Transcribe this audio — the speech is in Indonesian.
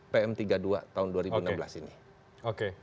pm tiga puluh dua tahun dua ribu enam belas ini